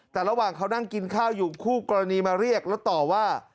แต่ระหว่างเขานั่งกินข้าวอยู่คู่กรณีมาเรียกแล้วต่อว่า